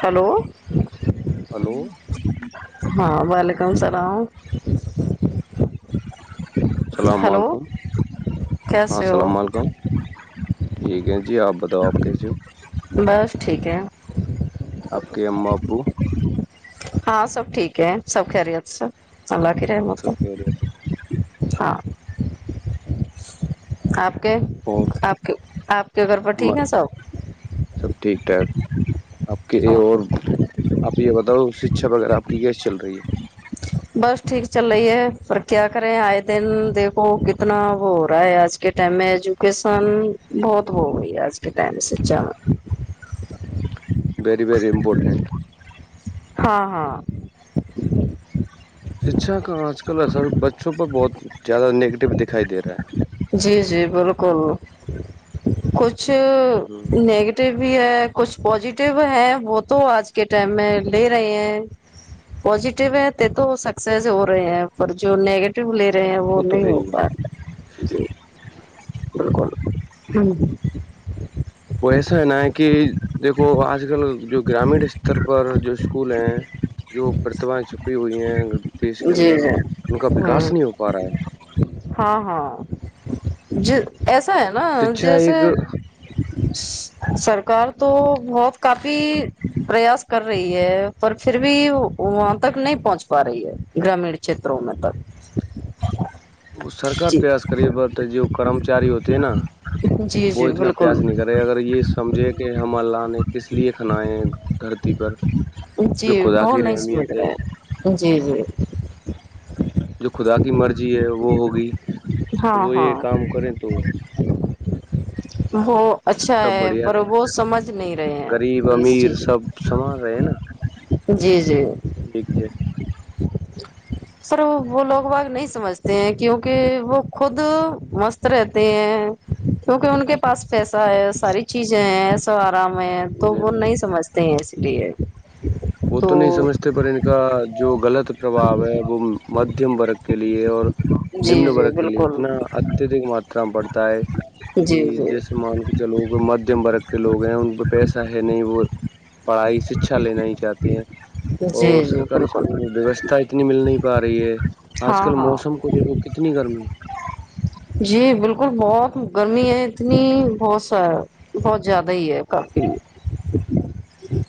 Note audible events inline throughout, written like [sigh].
Hello hello ہاں welcome ح کم سرام اللام علیکم ہاں کیسے ہو اللام علیکم ٹھیک ہے جی جی آپ بتاؤ آپ کیسے ہو بس ٹھیک ہے آپ کے اما ابو ہاں سب ٹھیک ہے سب خیریت سب اللہ کی رحمت سب ہے کہہ رہے تھے ہا آپ اور آپ کے آپ کے گھر پر ٹھیک ہے سب سب ٹھیک ٹھاک آپ کے اور آپ یہ بتاؤ اچھا بغیر آپ کی گیس چل رہی ہے بس ٹھیک چل رہی ہے پر کیا کریں آئے دن دیکھو کتنا وہ ہو رہا ہے آج کے ٹائم میں ایجوکیشن بہت ہو گئی ہے آج کے ٹائم سچا میں ویری ویری امپورٹنٹ ہاں ہاں شکشا کا آج کل اثر بچوں پر بہت زیادہ نگیٹو دکھائی دے رہا ہے جی جی بالکل کچھ چ ہے ہ نیگیٹیو بھی ہے کچھ پزیٹیو ہے وہ تو آج کے ٹائم میں لے رہے ہیں پزیٹیو ہے تو سکسیس ہو رہے ہیں پر جو نگیٹی لے رہے ہیں وہ تو نہیں ہے ہو ہی پا رہے ہوں وہ ایسا ہے نا ہے کہ دیکھو آج کل جو گرامین استر پر جو اسکول ہیں جو پرتمایں چھپی ہوئی ج دیش جی کے اندر جی ان کا ہ وکاس نہیں ہو پا رہا ہے ہاں ہاں ج ایسا ہے نا شکھا جیسے ایک سرکار تو بہت کافی پریاس کر رہی ہے پر پھر بھی وہاں تک نہیں پہنچ پا رہی ہے گرامیڑ چتوں میںتا وہ سرک پریاس کریے بت جو کرمچاری ہوتے ہے نا جی وہ جی اتنا پیاس بالکل نہیں کر رہے اگر یہ سمجھے کہ ہم اللہ نے کس لیے کھنیں دھرتی پر جی جو خدا بت کی نہیں سمجھ رحمیت ہے رہے جی جی جو خدا کی مرضی ہے وہ ہوگی تو ہاں وہ ہاں یہ کام کرے تو [inaudible] وہ اچھا سب ہے بڑھیا پر رہے وہ سمجھ نہیں رہے غریب ہیں اس امیر چیز سب سمان رہے نا جی جی ایک سر وہ لوگ باگ نہیں سمجھتے ہیں کیوںکہ وہ خود مست رہتے ہیں کیونکہ ان کے پاس پیسہ ہے ساری چیزیں ہیںسو تو ج وہ نہیں سمجھتے ہیںے اس لیے وہ تو نہیں سمجھتے پر ان کا جو غلط پرباو ہے وہ مدھیم ر کے لی لی اور جی نمن جی وورگ کے لیے بالکل اتنا اتدک ماتا میں پڑتا ہے جی کہ جی جیسے مان کے چلو مدھیم ورگ کے لوگ ہیں ان پہ پیسہ ہے نہیں وہ پڑھائی شکھا لے کہتے ہیں جی اور جی سرکاری بالکل اسکول میں ویوستھا اتنی مل نہیں پا رہی ہے آج ہاں کل ہاں موسم کو دیکھو کتنی گرمی جی بالکل بہت گرمی ہے اتنی بہت س بہت زیادہ ہی ہے کافی میں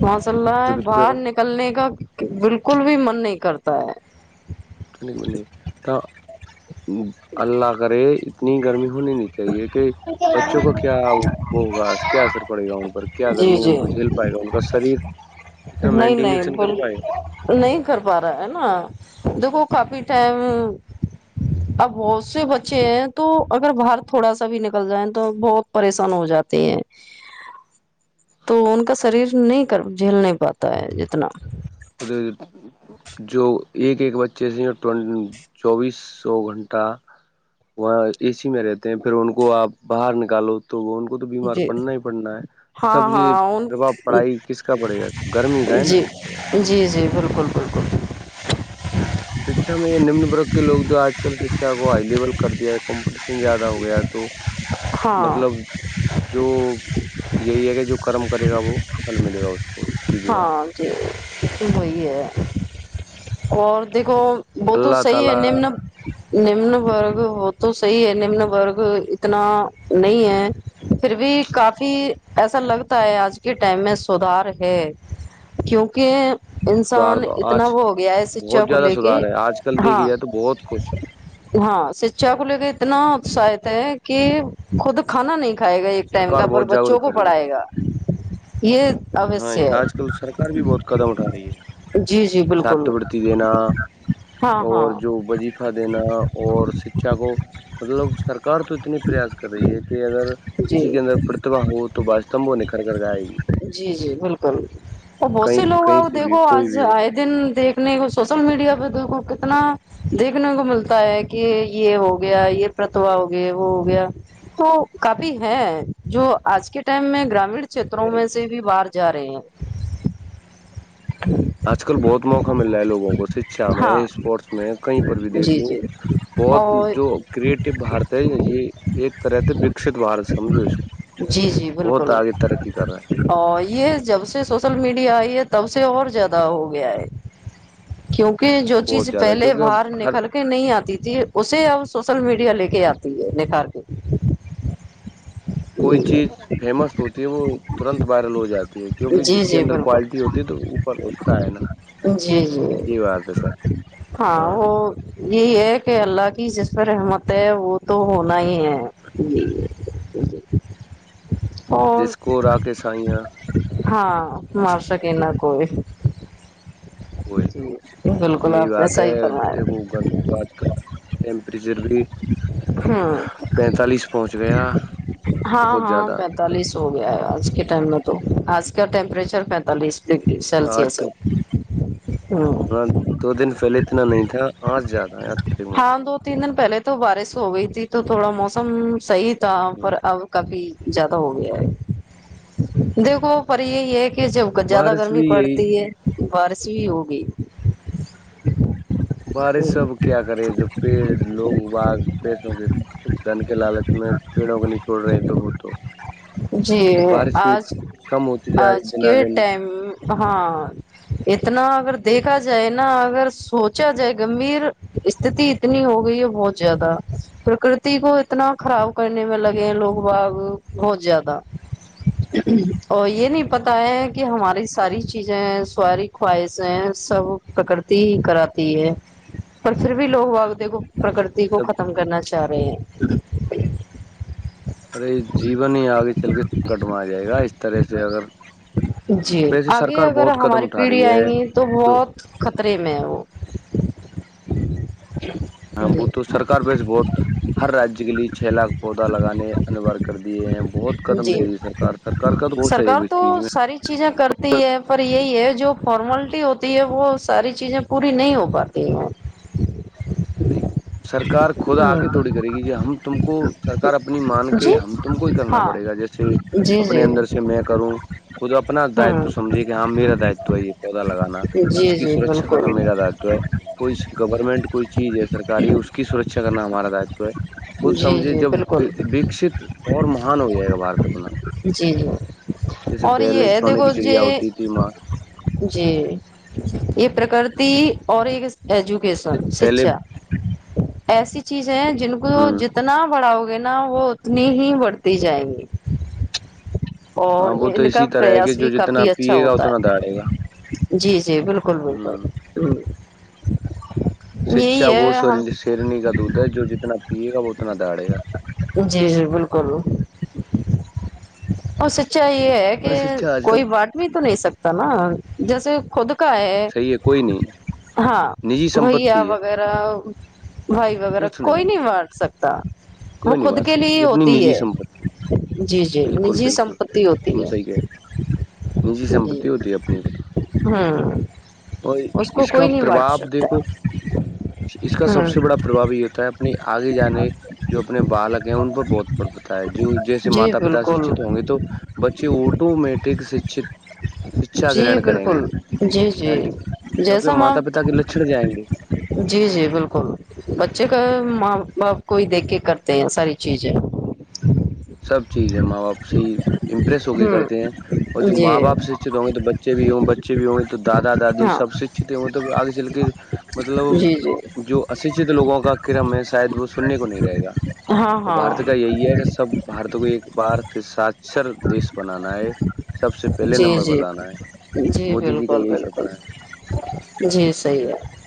ماشاء اللہ ہے جب تو کہہ باہر رہا نکلنے کا بالکل بھی من نہیں کرتا پ کیک منی تو اللہ کرے اتنی گرمی ہونی نہیں چاہیے کہ بچوں کا کیا وہ ہوگا کیا اثر پڑے گا ان پر کیا جی گرمی جی ان کو جھیل پائے گا ان کا شریر اتنا نہیں نہیں مینٹینس کر بول پائے گا نہیں کر پا رہا ہے نا دیکھو کافی ٹائم اب بہت سے بچے ہیں تو اگر باہر تھوڑا سا بھی نکل جائ تو بہت پریشان ہو جاتے ہیں تو ان کا شریر نہیں کر جھیل نہیں پاتا ہے جتنا جو ایک ایک بچے سےٹ چوبیس سو گھنٹہ وہاں اے سی میں رہتے ہیں پھر ان کو آپ باہر نکالو تو وہ ان کو تو بیمار جی پڑنا ہی پڑنا ہے تو سب ہاں یہ ہاں ان پرباب پڑھائی کس کا پڑے گا سب گرمی کا ہے نا جی یہ پربا جی جی بالکل بالکل شکھا میں یہ نمن ورگ کے لوگ جو آج کل شکھا کو ہائی لیول کر دیا ہے کمپٹیشن زیادہ ہو گیا ہے تو ہاں مطلب جو یہی ہے کہ جو کرم کرے گا وہ کل ملے گا اس کو سیدھی بات ہاں جی وہی ہے اور دیکھو وہ ہے۔ تو اللہ صحیح ہے تعالی نم نم ورگ وہ تو صحی ہے نمن وورگ اتنا نہیں ہے پھر بھی کافی ایسا لگتا ہے آج کے ٹائم میں سدھار ہے کیونکہ سدھار انسان دو اتنا آج ہوگ گیا ہے شکھا بہت کو زیادہ لے کے سدھار ہے آج کل دیکھ ہاں جائے تو بہت کچھ ہاں شکھا چ کو لے کے اتنا اتساہت ہے کہ خود کھانا نہیں دکھائے گا ایک ٹائم سرکار کا پر بہت بچوں جاگروک کو کر رہی ہے پڑھائے بچوں گا یہ کو۔ ہاں اوشیہ ہے آج کل سرکار بھی بہت قدم اٹھا رہی ہے جی جی بالکل چھاتوروتی دینا ہاں اور جو ہاں وجیفہ دینا اور شکھا کو مطلب سرکار تو اتنی پریاس کر رہی ہے کہ اگر جی کسی کے اندر پرتیھا ہو تو ب استمبو نکھر کر گائے گی جی جی بالکل اور بہت کہیں سے کہیں سے بھی کوئی بھی ہو نے سوشل میڈیا پہ د کو کتنا دیکھنے کو ملتا ہے کہ یہ ہو گیا یہ پرتھا ہو گیا وہ ہو گیا تو کافی ہے جو آج کے ٹائم میں گرامڑ چھیتروں میں سے بھی باہر جا رہے ہیں اج کل بہت موق سوا مل رہا ہے لوگوں کو شکھا میں ہاں اسپورٹس میں کہیں پر بھی دیکھ جی لو جی بہت اور جو کریٹو بارت ہے یہ ایک طرح وکست بارت سمجھو اس جی جی کو بہت بالکل آگے ترقی کر رہا ہے اور یہ جب سے سوشل میڈیا آئی ہے تب سے اور زیادہ ہو گیا ہے کیوں کہ جو بہت چیز زیادہ پہلے کیونکہ باہر اب ہر نکل کے نہیں آتی تھی اسے اب سوشل میڈیا لے کے آتی ہے نکھار کے کوئی چیز فیمس ہوتی ہے وہ ترنت وائرل ہو جاتی ہے کیونکہ جی جس کے جی اندر بالکل کوالٹی ہوتی ہے تو اوپر اٹھتا ہے نا جی جی یہ بات ہے سر ہاں وہ یہی ہے کہ اللہ کی جس پر احمت ہے وہ تو ہونا ہی ہے جی جی جس کو راک سائیاں ہاں مار س کہ نہ کوئی ہوئے جی تو بالکل یہی آپ نے بات ہے صحیح دیکھو فرمایا گرمی تو آج کل ٹیمپریچر بھی ہوں پینتالیس پہنچ گیا ہاں بہت ہاں زیادہ پینتالیس اس کا ٹیمپریچر پینتالیس ڈگری سلسس ہے ہ [inaudible] ہ دو دن پہلے اتنا نہیں تھا آج زیادہ ہے اتد ہاں ماتر دو تین دن پہلے تو بارش ہو گئی تھی تو تھوڑا موسم صحی ط پر اب کبھی زیادہ ہو گیا ہے دیکھو پر یہی ہے جب زیادہ بارش گرمی بھی یہی پڑتی ہے اور [unintelligible] سیوگی بارش سب کیا کریں جب پیڑ لوگ باغ پیسوں کے کچھ دن کے لال اس میں پیڑوں کو نہیں چھوڑ رہے ہیں تو وہ تو جی اور بارش بھی آج کم ہوتی جا رہی آج دنا کے دن ٹائم ہاں اتنا اگر دیکھا جائے نا اگر سوچا جائے گمبھیر استتی اتنی ہو گئی ہے بہت زیادہ پرکرتی کو اتنا خراب کرنے میں لگے ہیں لوگ باغ بہت زیادہ اور یہ نہیں پتا ہے کہ ہماری ساری چیزیں ساری خواہشیں سب پرکرتی ہی کراتی ہے پر پھر بھی لوگ واق دیکھو پرکرتی کو سب ختم کرنا چاہیے چار [unintelligible] ارے جیبن ہی آ گیا چل کےنکٹ میں آ جائے گا اس طرح سے اگر جی وسے آگے سرکار اگر بہت قدم ہماری اٹھا رہی پیڑھی ہے آئیں گی تو جوو بہت خطرے میں ہے وہ ہاں ب جی تو سرک وس بہت ہر رجیہ کے لیے چھ لاکھ پودا لگانے انوار کر دیے ہیں بہت قدم لے جیب رہی ہے سرکار سرکار کا تو بہت سرکار سہیوگ اس تو چیز میں ساری چیزیں کرتی ہے پر یہ یہی ہے جو فارملٹی ہوتی ہے وہ ساری چیزیں پوری نہیں ہو پاتی بائی سرکار خود آ کے تھوڑی کرے گی ج ہم تم کو سرک اپنی مان جی کے ہم تم کو ہی کرنا پ ہاں پڑے گا جیسے جی اپنے جی اندر سے میں کروں خود اپنا داتو ہوں سمجے کہ ہاں میرا داتو ہے یہ پودا لگانا اس جی کی جی سرکھا کرنا بالکل میرا داو ہے کوئی گورنمنٹ کوئی چیز ہے سرکاری اس کی سرکھا کرنا ہمارا داتو ہے خود جی سمجھے جی جب بالکل وکست اور م ان ہو جائے گا باہارت اپنا جی جی جیسے اور یہ پہلے ہے سونے کی دیکھو ج چڑیا ہوتی تھی ماں جی یہ پرکرتی اور ایک ایجوکیشن پہلے شکشا ایسی چیز ہیں جن کو ہ جتنا بڑا ہو نا وہ اتنی ہی بڑھتی دی جائیں گی اور ہاں وہ تو ان کا اسی طرح ہے کہ پریاس بھی جو جتنا کافی اچھا پیے گا ہوتا اتنا داڑے گا ہے جی جی بالکل بالکل ہ ہ [inaudible] شچا وہ س شیرنی کا دودھ ہے جو جتنا پیے گا وہ اتنا داڑے گا جی جی بالکل اور س اھا یہ ہے کہ بس اچھا آج کل کوئی باٹ بھی تو نہیں سکتا نا جیسے خود کا ہے صحیح کوئی نہیں ہاں نجی بیا سمپتی ہے وغیرہ بھائی وغیرہ کوئی نہیں وٹ سکتا تا وہ کوئی نہیں خود بانٹ کے لیے سکتی ہی یہ اپنی ہوتی نجی ہے جی جی بالکل نجی بالکل سمپتی ہوتی تم سح ہی کہ ہے رہ نجی جی سمپتی ہوتی ہے اپنی پ ہوں اور کو اس کا کوئی نہیں بانٹ پرباب سکتا دیکھو اس کا سب ہوں سے بڑا پرباؤ یہ ہوتا ہے اپنی آگے جانے جو اپنے بالک ہیں ان پ بہت پر جو جیسے جی ماتا پتا بالکل شکھت ہوں گے تو بچے آٹومیٹک شک شکھا جی گرن کریں گے بالکل جی جی نائنٹی کیونکہ جیسا ماں ماتا پتا کے لھن جائیں گے جی جی بالکل بچے کا ماں باپ کوئی دیکھ کے کرتے ہیں ساری چیزیں سب چیز ہے ماں باپ سے ہی امپریس ہو کے ہوں کرتے ہیں اور جو جی ماں باپ شکھت ہوں گے تو بچے بھی ہوں بچے بھی ہوں گے تو دادا دادی ہاں سب شکھت ہوں گے تو آگے چل کے جی جی مطلب جو اشکھت لوگوں کا کرم ہے شاید وہ سننے کو نہیں رہے گا ہاں اور ہاں بارت کا یہ جاہیے کہ سب بارت کو ایک بار پھر ساچر دیش بنانا ہے سب سے پہلے جی نمبر پر جی لانا ہے مودی جی کا بالکل یہی بالکل سپنا ہے جی صحیح ہے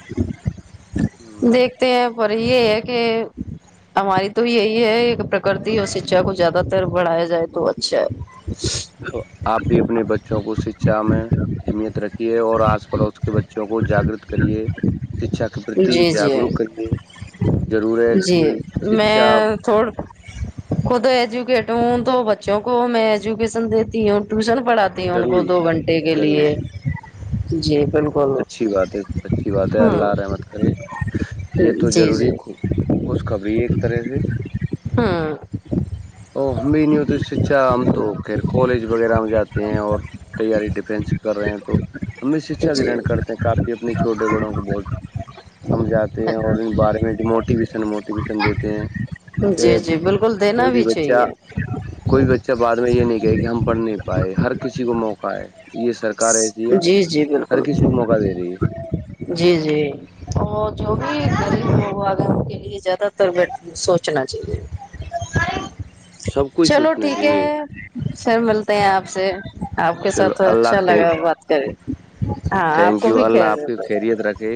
دیکھتے ہیں پر یہ ایک کہ ہماری تو یہی ہے ایک کرتی اور شکچھا کو زیادہ تر بڑھایا جائے تو اچھا ہے آپ بھی اپنے بچوں کو شکھا میں اہمیت رکھیے اور آس پڑوس کے بچوں کو جاگرت کریے شکھا کے پرتی جی جاگروک جی کریے ضرور ہے جی کہ شکھا میں تھوڑ خود ایجوکیٹ ہوں تو بچوں کو میں ایجوکیشن دیتی ہوں ٹیوشن پڑھاتی ہ ان کو ضروری دو گھنٹے کے ہے ضروری لیے ہے جی بالکل اچھی باتیں اچھی بات ہے اللہ ہوں رحمت کرے یہ تو جی ضروری جی خوش خبری ہے ایک طرح سے ہاں تو ہم بھی نہیں ہوتے شکچھا ہم تو خیر کالج وغیرہ میں جاتے ہیں اور تیاری [inaudible] کر رہے ہیں تو ہمیں شکچھا گرن کے کرتے ہیں کافی اپنے چھوٹے بڑوں کو بہت سمجھاتے ہیں اور ان بارے میں جو موٹ موٹیویشن موٹیویشن دیتے ہیں کہ جی جی بالکل دینا کوئی بھی بچہ چاہیے کوئی بچہ بعد میں یہ نہیں کہ ہم پڑھ نہیں پائے ہر کسی کو موقع ہے یہ سر جی جی بالکل دے رہی ہے جی جی اور جو یہریب اگر ان کے لیے زیادہ تر سوچنا چاہیے سب کچھ چلو سوچنا ٹھیک ہے چاہیے پھر ملتے ہیں آپ سے آپ کے چلو ساتھ اللہ اچھا خیر لگا بات [inaudible] آپ تھینک کو یو بھی اللہ آپ کی خیریت رکھے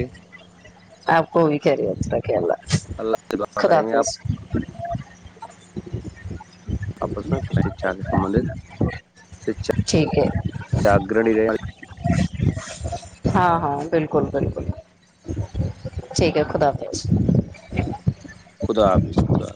آپ کو بھی خیریتت رکھے اللہ اللہ سے دعا خدا کریں گے آپ حافظ آپس میں کچھ شکھا کے سبھ ٹھیک ہے شا اگرنی رہ ہاں ہاں بالکل بالکل ٹھیک ہے خدا حافظ خدا اس خدا